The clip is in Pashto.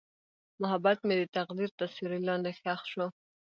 محبت مې د تقدیر تر سیوري لاندې ښخ شو.